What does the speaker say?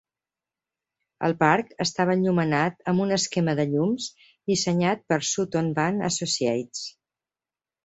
El parc estava enllumenat amb un esquema de llums dissenyat per Sutton Vane Associates.